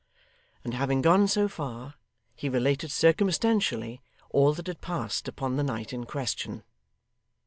And having gone so far, he related circumstantially all that had passed upon the night in question.